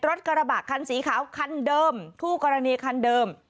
รถกระบะคันสีขาวคันเดิมคู่กรณีคันเดิม